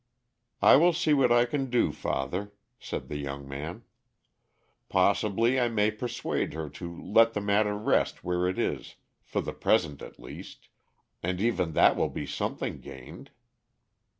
"I will see what I can do, father," said the young man. "Possibly I may persuade her to let the matter rest where it is, for the present at least, and even that will be something gained."